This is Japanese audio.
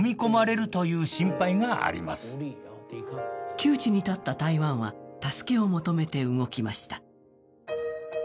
窮地に立った台湾は、助けを求めて動きました。